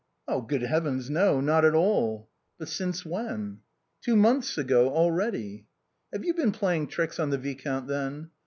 " Good heavens, no ! not at all." " But since when ?"" Two months ago, already." "Have you been playing tricks on the viscount, then?"